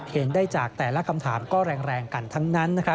เห็นได้จากแต่ละคำถามก็แรงกันทั้งนั้น